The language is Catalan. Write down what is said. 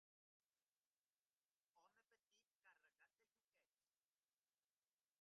Home petit, carregat de lluquets.